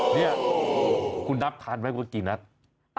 เนี่ยคุณนับทานไว้เมื่อกี้นัก